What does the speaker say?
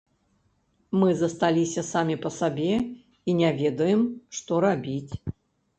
Мы засталіся самі па сабе і не ведаем што рабіць.